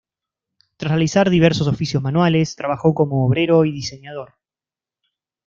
Tras realizar diversos oficios manuales, trabajó como obrero y diseñador.